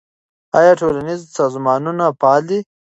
آیا ټولنیز سازمانونه فعال دي؟